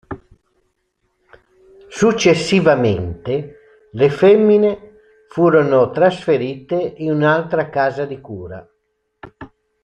Successivamente le femmine furono trasferite in un'altra casa di cura.